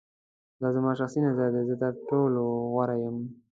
دا زما شخصی نظر دی. زه تر ټولو غوره یم.